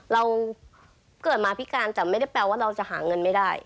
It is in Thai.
เราเกิดมาพิการแต่ไม่ได้แปลว่าเราจะหาเงินไม่ได้